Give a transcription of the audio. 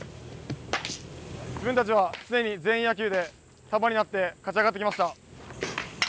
自分たちは常に全員野球で束になって勝ち上がってきました。